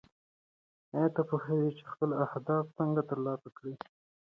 ایا ته پوهېږې چې خپل اهداف څنګه ترلاسه کړې؟